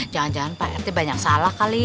jangan jangan pak rt banyak salah kali